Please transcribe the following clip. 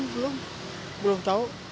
belum belum tahu